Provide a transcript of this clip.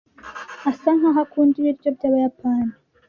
asa nkaho akunda ibiryo byabayapani.